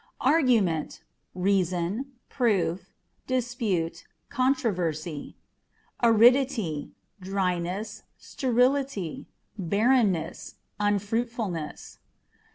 Argumentâ€" reason, proof; dispute, controversy. Aridity â€" dryness ; sterility, barrenness, unfruitfulness.